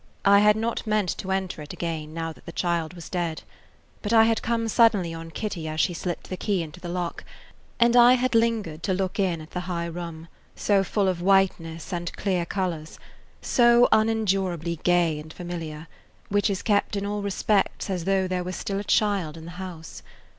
I had not meant to enter it again, now that the child was dead; but I had come suddenly on Kitty as she slipped the key into the look, and I had lingered to look in at the high room, so full of whiteness and clear [Page 4] colors, so unendurably gay and familiar, which is kept in all respects as though there were still a child in the house.